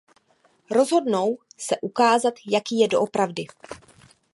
Rozhodnou se ukázat jaký je doopravdy.